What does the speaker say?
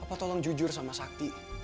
apa tolong jujur sama sakti